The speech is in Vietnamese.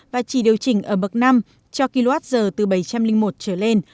và chỉ điều chỉnh ở bậc năm cho kwh từ bảy trăm linh một trở lên